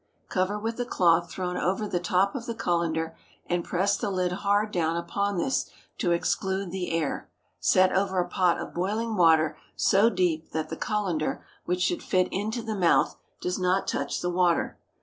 Cover with a cloth thrown over the top of the cullender, and press the lid hard down upon this to exclude the air. Set over a pot of boiling water so deep that the cullender, which should fit into the mouth, does not touch the water.